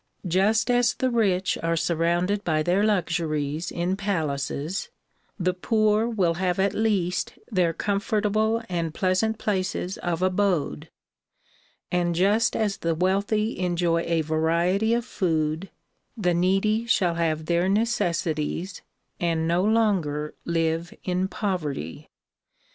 Just as the rich are surrounded by their luxuries in palaces the poor will have at least their comfortable and pleasant places of abode; and just as the wealthy enjoy a variety of food the needy shall have their necessities and no longer live in poverty.